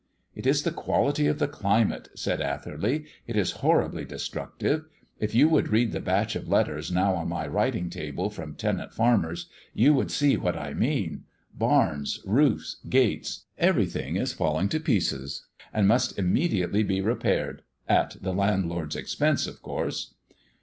"It is the quality of the climate," said Atherley. "It is horribly destructive. If you would read the batch of letters now on my writing table from tenant farmers you would see what I mean: barns, roofs, gates, everything is falling to pieces and must immediately be repaired at the landlord's expense, of course."